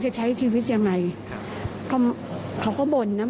อยากไปบอกครั้งบนเช้าก็มันเคยโพสนะ